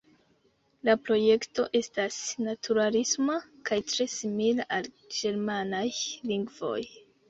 La projekto estas naturalisma kaj tre simila al ĝermanaj lingvoj.